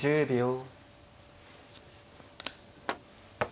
１０秒。